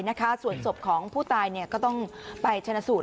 เพราะว่าศพของผู้ตายก็ต้องไปชนะสูตร